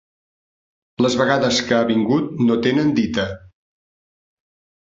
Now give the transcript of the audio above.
Les vegades que ha vingut no tenen dita.